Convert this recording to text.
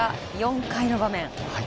４回の場面。